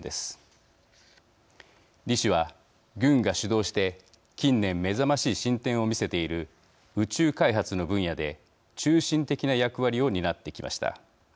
李氏は軍が主導して近年目覚ましい進展を見せている宇宙開発の分野で中心的な役割を担ってきました。